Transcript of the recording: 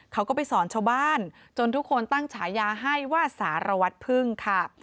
เขาก็ไปสอนชาวบ้านจนทุกคนตั้งฉายาให้ว่าสารวัตรพึ่งค่ะ